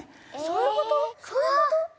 そういうこと？